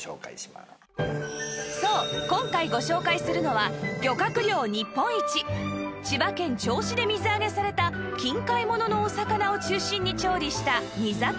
そう今回ご紹介するのは漁獲量日本一千葉県銚子で水揚げされた近海物のお魚を中心に調理した煮魚です